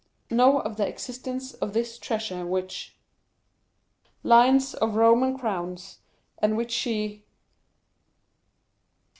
know of the existence of this treasure, which ...lions of Roman crowns, and which he